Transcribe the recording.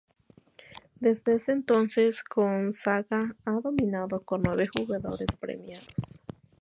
Desde entonces, Gonzaga ha dominado con nueve jugadores premiados.